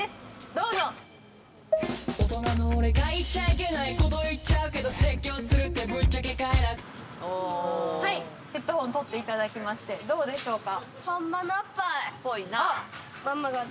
どうぞ大人の俺が言っちゃいけない事言っちゃうけど説教するってぶっちゃけ快楽はいヘッドホン取っていただきましてどうでしょうか？